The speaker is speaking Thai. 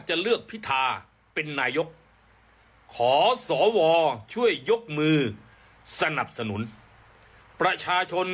จะเลือกพิธาเป็นนายกขอสวช่วยยกมือสนับสนุนประชาชน